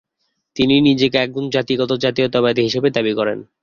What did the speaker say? তিনি নিজেকে একজন জাতিগত জাতীয়তাবাদী হিসেবে দাবি করেন।